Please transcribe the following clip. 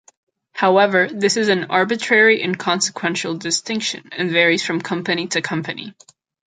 However, this is an arbitrary, inconsequential distinction, and varies from company to company.